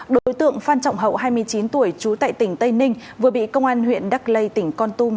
đối tượng phan trọng hậu hai mươi chín tuổi trú tại tỉnh tây ninh vừa bị công an huyện đắc lây tỉnh con tum